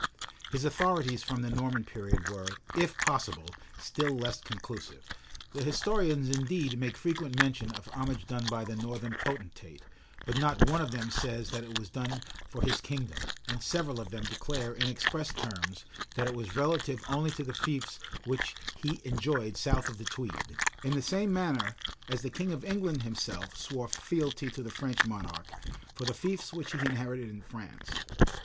His authorities from the Norman period were, if possible, still less conclusive: the historians indeed make frequent mention of homage done by the northern potentate; but no one of them says that it was done for his kingdom; and several of them declare, in express terms that it was relative only to the fiefs which he enjoyed south of the Tweed;[*] in the same manner, as the king of England himself swore fealty to the French monarch, for the fiefs which he inherited in France.